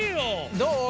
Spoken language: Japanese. どう？